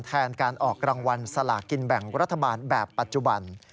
แทนการออกรางวัลสลากินแบ่งรัฐบาลแบบปัจจุบัน